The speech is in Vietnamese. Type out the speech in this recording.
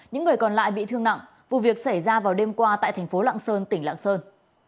những người còn lại bị thương nặng vụ việc xảy ra vào đêm qua tại thành phố lạng sơn tỉnh lạng sơn